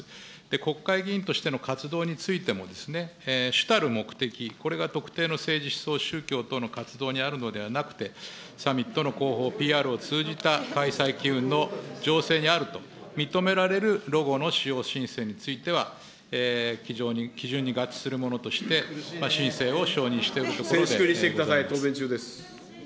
国会議員としての活動についてもですね、主たる目的、これが特定の思想、宗教との活動にあるのではなくて、サミットの広報、ＰＲを通じた開催機運の情勢にあると認められるロゴの使用申請については、非常に基準に合致するものとして、申請を承認している静粛にしてください。